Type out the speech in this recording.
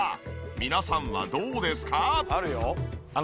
皆さんはどうですか？